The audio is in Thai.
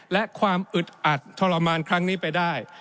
และความอึดอัดทรมานครั้งนี้ไปได้